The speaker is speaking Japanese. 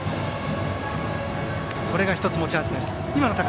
これが１つ、持ち味です。